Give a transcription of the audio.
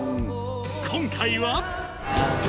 今回は。